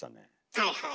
はいはい。